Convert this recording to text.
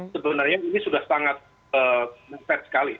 sebenarnya ini sudah sangat mepet sekali